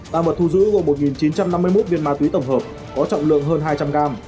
tăng vật thu giữ gồm một chín trăm năm mươi một viên ma túy tổng hợp có trọng lượng hơn hai trăm linh gram